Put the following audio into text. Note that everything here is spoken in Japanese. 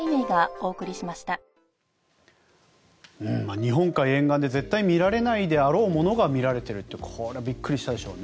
日本海沿岸で絶対見られないであろうものが見られるというこれはびっくりしたでしょうね